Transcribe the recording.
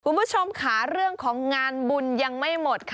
คุณผู้ชมค่ะเรื่องของงานบุญยังไม่หมดค่ะ